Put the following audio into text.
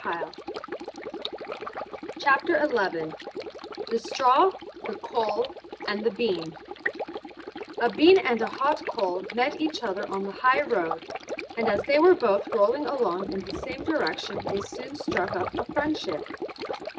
THE STRAW, THE COAL, AND THE BEAN A bean and a hot coal met each other on the highroad, and as they were both rolling along in the same direction they soon struck up a friendship.